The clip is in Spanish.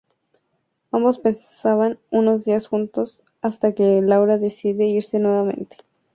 Ambos pasan unos días juntos hasta que Laura decide irse nuevamente.